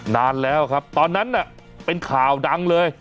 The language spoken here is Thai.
นานแล้วครับตอนนั้นน่ะเป็นข่าวดังเลย